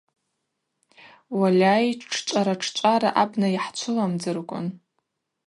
Уальай, шӏчӏвара-шӏчӏвара абна йхӏчвыламдзырквын.